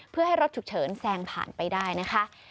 เพื่อให้รถฉุกเฉินแซงผ่านไปได้นะคะ